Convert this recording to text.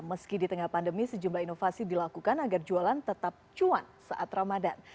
meski di tengah pandemi sejumlah inovasi dilakukan agar jualan tetap cuan saat ramadan